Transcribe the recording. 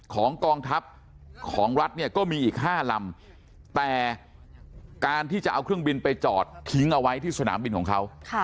ของกองทัพของรัฐเนี่ยก็มีอีก๕ลำแต่การที่จะเอาเครื่องบินไปจอดทิ้งเอาไว้ที่สนามบินของเขา